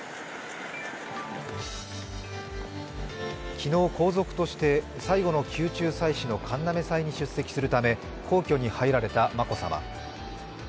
昨日、皇族として最後の宮中祭祀の神嘗祭に出席するため皇居に入られた眞子さま。